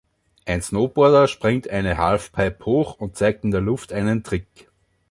Ein Snowboarder springt eine Halfpipe hoch und zeigt in der Luft einen Trick.